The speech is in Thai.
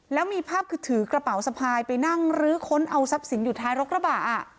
แล้วมีภาพคือถือกระเป๋าสะพายไปนั่งลื้อค้นเอาทรัพย์สินอยู่ท้ายรกระบะ